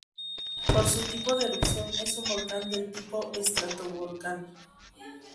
Por su tipo de erupción es un volcán del tipo estratovolcán.